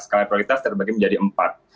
skala prioritas terbagi menjadi empat